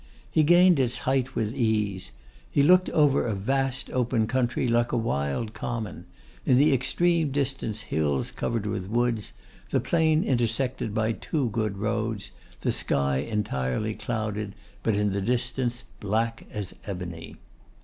He gained its height with ease. He looked over a vast open country like a wild common; in the extreme distance hills covered with woods; the plain intersected by two good roads: the sky entirely clouded, but in the distance black as ebony.